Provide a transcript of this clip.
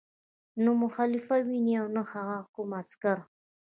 نه مو خلیفه ویني او نه د هغه کوم عسکر.